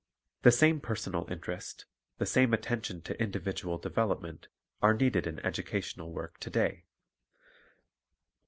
The same personal interest, the same attention to individual development, are needed in educational work to day.